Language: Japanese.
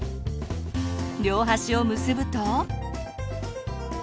両端を結ぶと。